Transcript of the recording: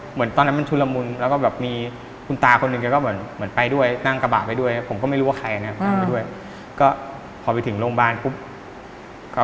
เหมือนกับว่าเดี๋ยวขอตัวกลับบ้านก่อน